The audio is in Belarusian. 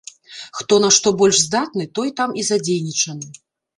Хто на што больш здатны, той там і задзейнічаны.